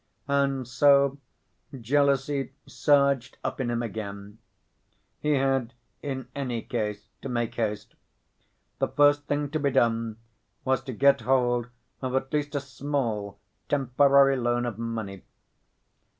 And so jealousy surged up in him again. He had, in any case, to make haste. The first thing to be done was to get hold of at least a small, temporary loan of money.